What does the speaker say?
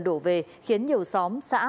đổ về khiến nhiều xóm xã